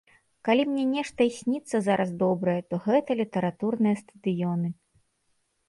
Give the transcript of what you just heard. Калі мне нешта і сніцца зараз добрае, то гэта літаратурныя стадыёны.